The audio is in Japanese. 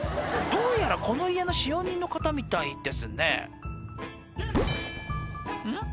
どうやらこの家の使用人の方みたいですねうんっ？